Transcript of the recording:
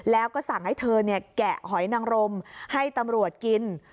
แล้วก็สั่งให้เธอแกะหอยนังรมให้ตำรวจกิน